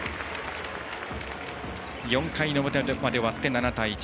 ４回の表まで終わって７対１。